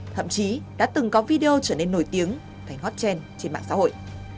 thậm chí đã từng có video trở nên nổi tiếng thành hot trend trên mạng xã hội